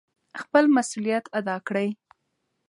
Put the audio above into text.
خپل مسؤلیت ادا کړئ.